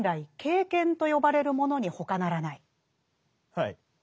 はい。